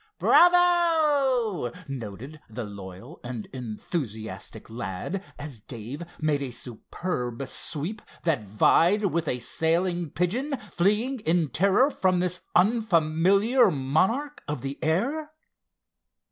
"Bravo!" voted the loyal and enthusiastic lad, as Dave made a superb sweep that vied with a sailing pigeon, fleeing in terror from this unfamiliar monarch of the air.